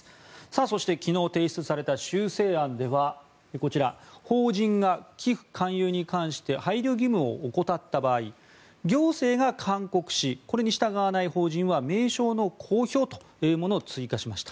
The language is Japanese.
そして昨日提出された修正案ではこちら、法人が寄付勧誘に関して配慮義務を怠った場合行政が勧告しこれに従わない法人は名称の公表というものを追加しました。